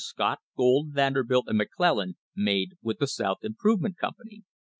Scott, Gould, Vanderbilt and McClellan made with the South Improvement Company.